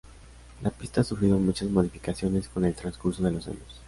La pista ha sufrido muchas modificaciones con el transcurso de los años.